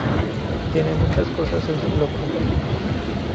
Tiene muchas cosas en su locker.